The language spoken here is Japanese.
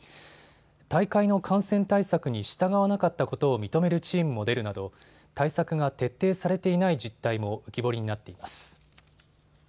大会の感染対策に従わなかったことを認めるチームも出るなど対策が徹底されていない実態も浮き彫りになっています。